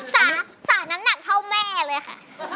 สาน้ำหนักเท่าแม่เลยค่ะ